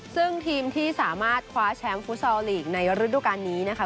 ซึ่งทีมที่สามารถคว้าแชมป์ฟู้ท์ซอลหลีกในฤดวกรณีนี้นะครับ